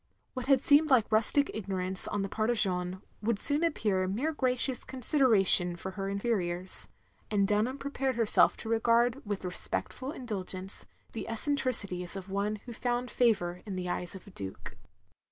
What had seemed like rustic ignorance on the part of Jeanne, wotdd soon appear mere gracious consideration for her inferiors; and Dunham prepared herself to regard with respectful indtd gence the eccentricities of one who had found favotir in the eyes of a Duke.